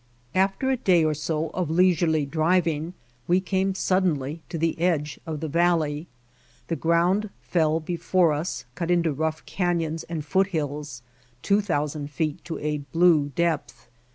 After a day or so of leisurely driving we came suddenly to the edge of the valley. The ground fell before us, cut into rough canyons and foot hills, two thousand feet to a blue depth.